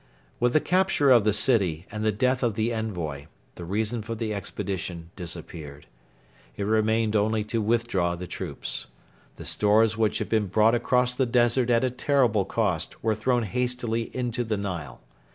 With the capture of the city and the death of the envoy the reason for the expedition disappeared. It remained only to withdraw the troops. The stores which had been brought across the desert at a terrible cost were thrown hastily into the Nile.